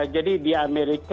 jadi di amerika